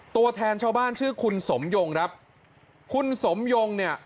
ตัวแทนชาวบ้านชื่อคุณสมยงครับคุณสมยงเนี่ย